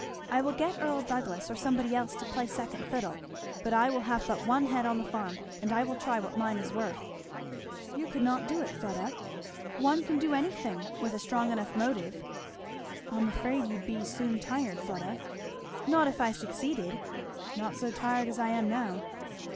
I will get Earl Douglass or somebody else to play second fiddle, but I will have but one head on the farm and I will try what mine is worth." "You could not do it, Fleda." "One can do anything! with a strong enough motive." "I'm afraid you'd soon be tired, Fleda." "Not if I succeeded not so tired as I am now."